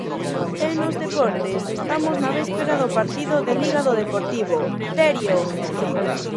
E nos deportes, estamos na véspera do partido de Liga do Deportivo, Terio.